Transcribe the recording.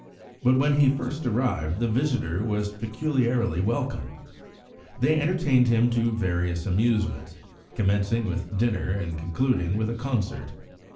But when he first arrived the visitor was peculiarly welcome. They entertained him to various amusements, commencing with dinner and concluding with a concert.